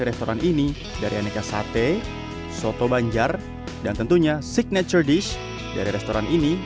restoran ini dari aneka sate soto banjar dan tentunya signature dish dari restoran ini